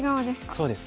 そうです。